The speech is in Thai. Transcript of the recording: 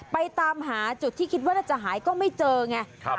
ตามหาจุดที่คิดว่าน่าจะหายก็ไม่เจอไง